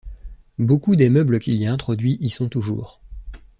Beaucoup des meubles qu'il y a introduit y sont toujours.